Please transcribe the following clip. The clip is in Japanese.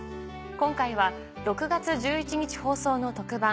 今回は６月１１日放送の特番